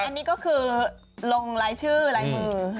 อันนี้ก็คือลงไลฟ์ชื่อไลฟ์มือ